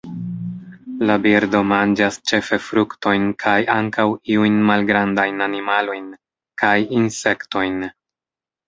La birdo manĝas ĉefe fruktojn kaj ankaŭ iujn malgrandajn animalojn kaj insektojn.